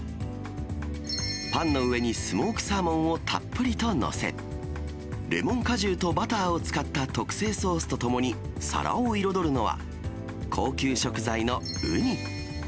パンの上にスモークサーモンをたっぷりと載せ、レモン果汁とバターを使った特製ソースとともに、皿を彩るのは、高級食材のウニ。